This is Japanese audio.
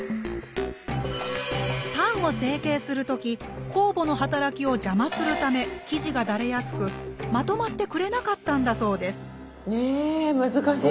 パンを成形するとき酵母の働きを邪魔するため生地がだれやすくまとまってくれなかったんだそうですへ難しい。